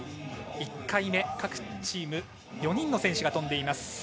１回目、各チーム４人の選手が飛んでいます。